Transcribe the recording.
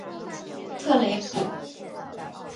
特雷普。